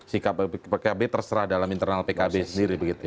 sikap pkb terserah dalam internal pkb sendiri begitu ya